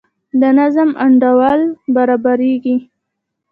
د نظم انډول برابریږي.